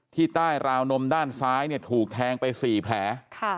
ใต้ราวนมด้านซ้ายถูกแทงไป๔แผล